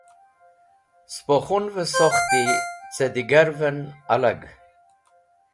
Spo khunvẽ sokhti cẽ digarvẽn alag.